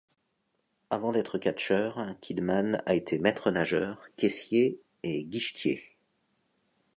Avant d'être catcheur, Kidman a été maître nageur, caissier et guichetier.